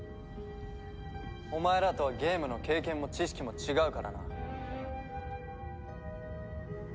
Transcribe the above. お前らとはゲームの経験も知識も違うからな。